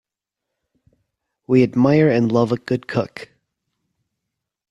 We admire and love a good cook.